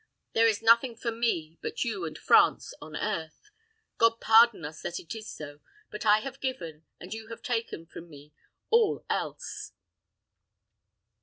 There is nothing for me but you and France on earth. God pardon us that it is so; but I have given, and you have taken from me all else."